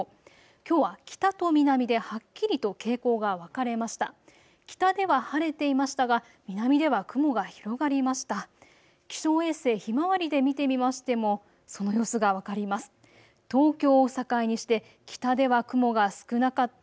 きょうは北と南ではっきりと傾向が分かれました。